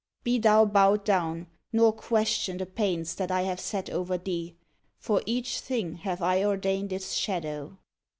Be thou bowed down, nor question the pains that I have set over thee : for each thing have I ordained its shadow.